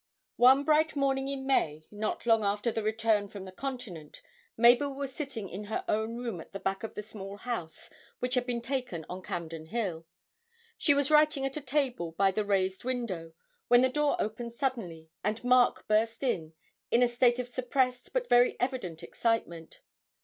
One bright morning in May, not long after the return from the Continent, Mabel was sitting in her own room at the back of the small house which had been taken on Campden Hill; she was writing at a table by the raised window, when the door opened suddenly, and Mark burst in, in a state of suppressed but very evident excitement.